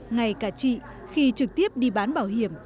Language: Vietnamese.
ngay cả chị khi trực tiếp đi bán bảo hiểm